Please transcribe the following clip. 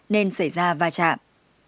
nên xảy ra va chạm